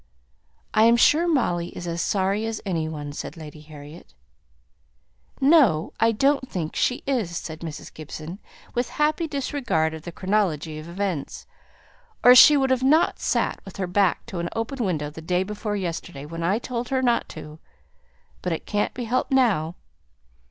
"I am sure Molly is as sorry as any one," said Lady Harriet. "No. I don't think she is," said Mrs. Gibson, with happy disregard of the chronology of events, "or she would not have sate with her back to an open window the day before yesterday, when I told her not. But it can't be helped now.